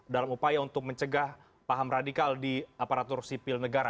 dalam upaya untuk mencegah paham radikal di aparatur sipil negara